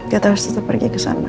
kita harus tetap pergi ke sana